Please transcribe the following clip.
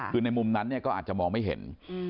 คือในมุมนั้นเนี่ยก็อาจจะมองไม่เห็น